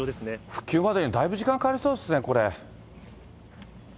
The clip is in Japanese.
復旧までにだいぶ時間かかりそうですね、これ。